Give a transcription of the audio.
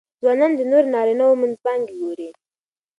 ځوانان د نورو نارینهوو منځپانګې ګوري.